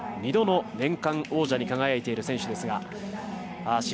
２度の年間王者に輝いている選手です。